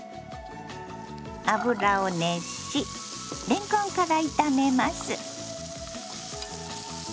油を熱しれんこんから炒めます。